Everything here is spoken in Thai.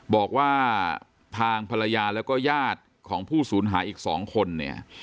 บอกว่าทางภรรยาแล้วก็ญาติของผู้สูญหายอีก๒คนเนี่ย